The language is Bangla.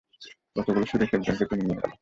কতগুলো শুঁড় এসে একজনকে টেনে নিয়ে গেল!